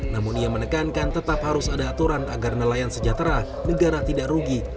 namun ia menekankan tetap harus ada aturan agar nelayan sejahtera negara tidak rugi